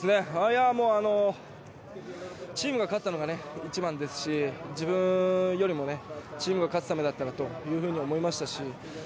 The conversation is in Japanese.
チームが勝ったのが一番ですし、自分よりもチームが勝つためだったらというふうに思いました。